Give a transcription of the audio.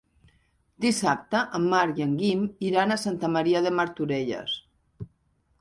Dissabte en Marc i en Guim iran a Santa Maria de Martorelles.